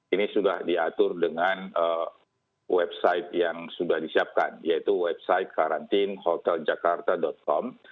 ini sudah diatur dengan website yang sudah disiapkan yaitu website karantina com